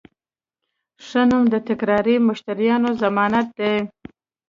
ښه نوم د تکراري مشتریانو ضمانت دی.